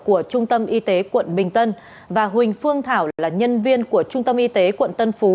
của trung tâm y tế quận bình tân và huỳnh phương thảo là nhân viên của trung tâm y tế quận tân phú